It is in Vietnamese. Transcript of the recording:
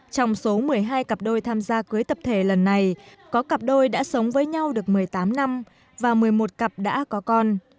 trong số một mươi hai cặp đôi tham gia cưới tập thể lần này có cặp đôi đã sống với nhau được một mươi tám năm và một mươi một cặp đã có con